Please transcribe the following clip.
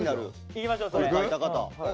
いきましょうそれ。